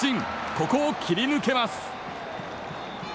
ここを切り抜けます。